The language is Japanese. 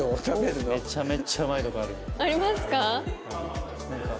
めちゃめちゃうまいとこあるよ。ありますか？